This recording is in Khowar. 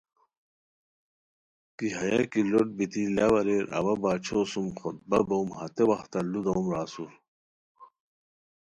کی ہیہ کی لوٹ بیتی لاؤ اریر اوا باچھو سوم خطبہ بوم ہتے وختہ لو دوم را اسور